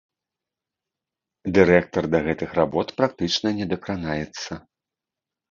Дырэктар да гэтых работ практычна не дакранаецца.